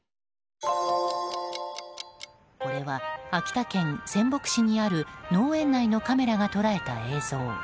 これは、秋田県仙北市にある農園内のカメラが捉えた映像。